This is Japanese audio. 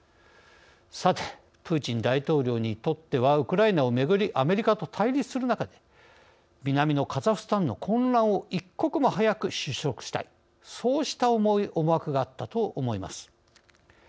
さて、プーチン大統領にとってはウクライナをめぐりアメリカと対立する中で南のカザフスタンの混乱を一刻も早く収束したいそうした思惑があったと思います。